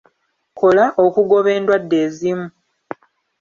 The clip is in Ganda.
Kola okugoba endwadde ezimu.